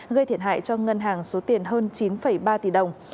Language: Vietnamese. gây thiệt hại cho ngân hàng số tiền hơn chín ba tỷ đồng